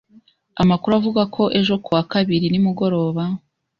Amakuru avuga ko ejo ku wa kabiri nimugoroba,